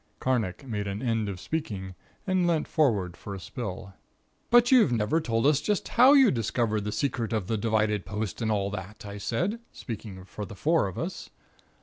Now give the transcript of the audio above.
Carnacki made an end of speaking and leant forward for a spill. "But you've never told us just how you discovered the secret of the divided post and all that," I said, speaking for the four of us.